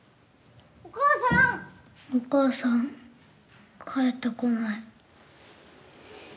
お母さん、帰ってこない。